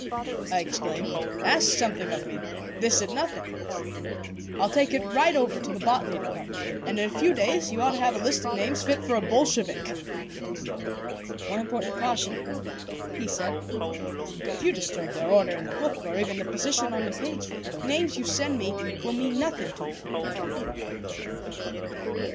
I exclaimed. "Ask something of me. This it nothing. I'll take it right over to the Botany Department, and in a few days you ought to have a list of names fit for a Bolshevik." "One important caution," he said. "If you disturb their order in the book, or even the position on the page, the names you send me will mean nothing to me.